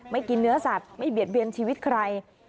กินเนื้อสัตว์ไม่เบียดเบียนชีวิตใคร